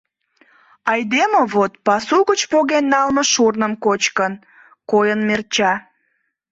Айдеме вот, пасу гыч поген налме шурным кочкын, койын мерча.